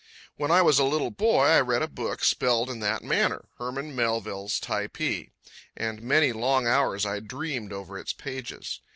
When I was a little boy, I read a book spelled in that manner—Herman Melville's "Typee"; and many long hours I dreamed over its pages.